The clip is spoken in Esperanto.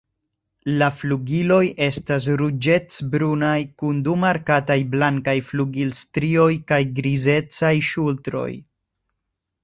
La flugiloj estas ruĝecbrunaj kun du markataj blankaj flugilstrioj kaj grizecaj ŝultroj.